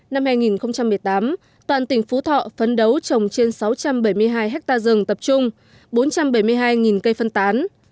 năm hai nghìn một mươi tám toàn tỉnh phú thọ phấn đấu trồng trên sáu trăm bảy mươi hai ha rừng tập trung bốn trăm bảy mươi hai cây phân tán